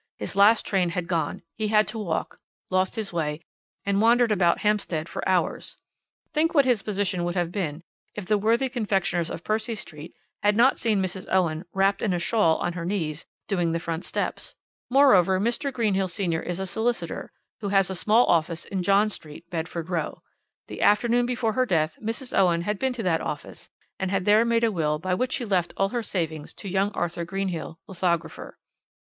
His last train had gone; he had to walk, lost his way, and wandered about Hampstead for hours. Think what his position would have been if the worthy confectioners of Percy Street had not seen Mrs. Owen 'wrapped up in a shawl, on her knees, doing the front steps.' "Moreover, Mr. Greenhill senior is a solicitor, who has a small office in John Street, Bedford Row. The afternoon before her death Mrs. Owen had been to that office and had there made a will by which she left all her savings to young Arthur Greenhill, lithographer.